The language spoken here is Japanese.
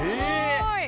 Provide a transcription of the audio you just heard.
すごーい。